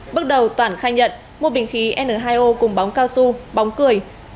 bước đầu toản khai nhận một bình khí n hai o cùng bóng cao su bóng cười